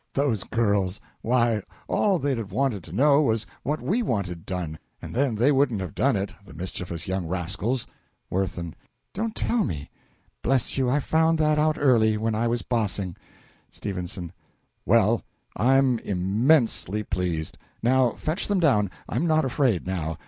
Those girls why, all they'd have wanted to know was what we wanted done, and then they wouldn't have done it the mischievous young rascals! WIRTHIN. Don't tell me? Bless you, I found that out early when I was bossing. S. Well, I'm im mensely pleased. Now fetch them down. I'm not afraid now.